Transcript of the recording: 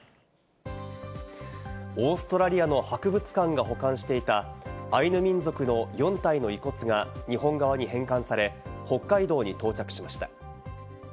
オーストラリアの博物館が保管していたアイヌ民族の４体の遺骨が日本側に返還され、北海道に到着しました。